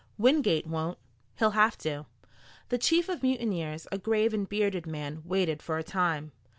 "Wingate won't." "He'll have to." The chief of mutineers, a grave and bearded man, waited for a time.